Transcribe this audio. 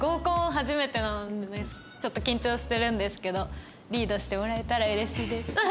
初めてなんでちょっと緊張してるんですけどリードしてもらえたら嬉しいです。